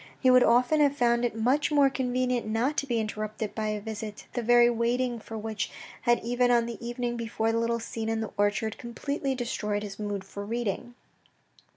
He would often have found it much more convenient not to be interrupted by a visit, the very waiting for which had even on the evening before the little scene in the orchard complexly destroyed his mood for reading.